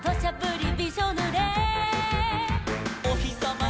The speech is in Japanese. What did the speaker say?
「おひさま